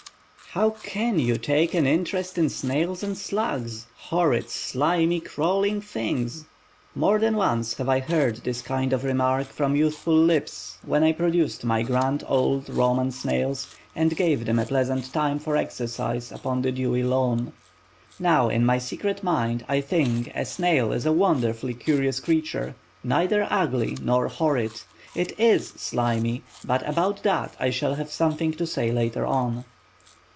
"How can you take an interest in snails and slugs? horrid, slimy, crawling things!" More than once have I heard this kind of remark from youthful lips when I produced my grand old Roman snails and gave them a pleasant time for exercise upon the dewy lawn. Now in my secret mind I think a snail is a wonderfully curious creature, neither ugly nor "horrid" it is slimy, but about that I shall have something to say later on.